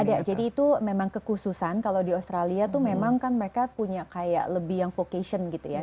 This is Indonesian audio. ada jadi itu memang kekhususan kalau di australia itu memang kan mereka punya kayak lebih yang vocation gitu ya